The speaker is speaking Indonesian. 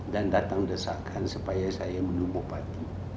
dan datang desakan supaya saya menumbuh parti